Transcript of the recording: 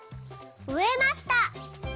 「うえました」。